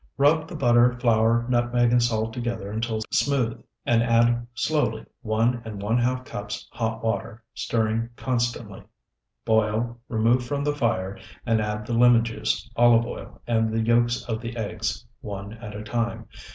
Rub the butter, flour, nutmeg, and salt together until smooth, and add slowly one and one half cups hot water, stirring constantly. Boil, remove from the fire, and add the lemon juice, olive oil, and the yolks of the eggs, one at a time.